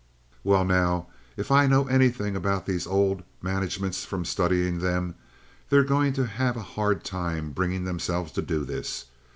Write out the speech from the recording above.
"Well, now, if I know anything about these old managements from studying them, they're going to have a hard time bringing themselves to do this.